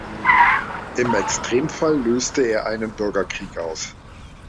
Im Extremfall löste er einen Bürgerkrieg aus.